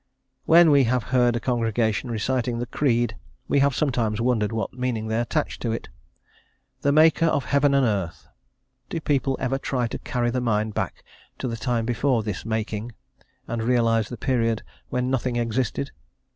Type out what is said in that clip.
When we have heard a congregation reciting the Creed, we have sometimes wondered what meaning they attached to it. "The maker of heaven and earth." Do people ever try to carry the mind back to the time before this "making," and realise the period when nothing existed?